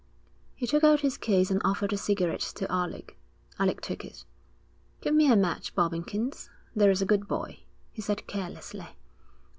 He took out his case and offered a cigarette to Alec. Alec took it. 'Give me a match, Bobbikins, there's a good boy,' he said carelessly.